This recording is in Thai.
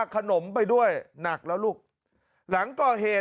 กะลาวบอกว่าก่อนเกิดเหตุ